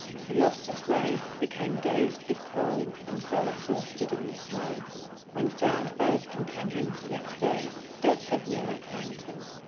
He lost his way, became dazed with cold and fell exhausted in the snow. When found by his companions the next day, death had nearly claimed him.